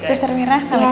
mr mira halo kelihatan